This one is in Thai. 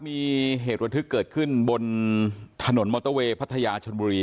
มีเหตุระทึกเกิดขึ้นบนถนนมอเตอร์เวย์พัทยาชนบุรี